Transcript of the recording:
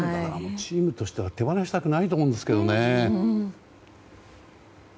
チームとしては手放したくないと思うんですけどね。